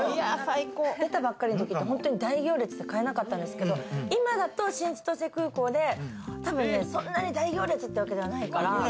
出たばっかりのとき大行列で買えなかったんですけれども、今だと新千歳空港で、たぶん、そんなに大行列ってわけではないから。